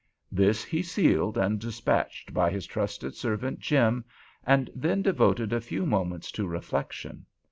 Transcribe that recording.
This he sealed and despatched by his trusted servant Jim, and then devoted a few moments to reflection.